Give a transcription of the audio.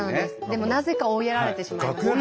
でもなぜか追いやられてしまいました。